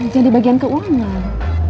jadi bagian keuangan